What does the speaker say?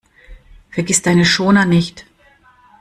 Vergiss deine Schoner nicht!